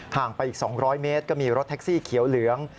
ห่างไปอีก๒๐๐เมตรก็มีรถแท็กซี่เขียวเหลือง